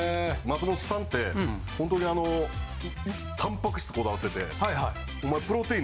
松本さんってほんとにあのタンパク質こだわっててお前。